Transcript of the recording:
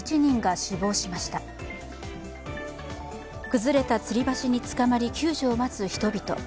崩れたつり橋につかまり救助を待つ人々。